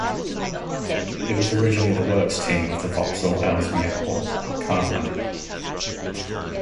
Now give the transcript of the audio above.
It was originally the works team of the Vauxhall Ellesmere Port Car Plant.